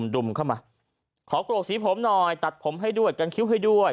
ดุมเข้ามาขอกรกสีผมหน่อยตัดผมให้ด้วยกันคิ้วให้ด้วย